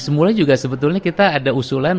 semula juga sebetulnya kita ada usulan